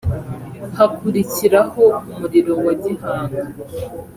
Hakurikiraho Umuriro wa Gihanga